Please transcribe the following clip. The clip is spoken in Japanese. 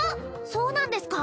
そうなんですか！？